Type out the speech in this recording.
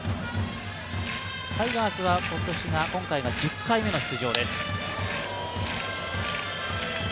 タイガースは今回が１０回目の出場です。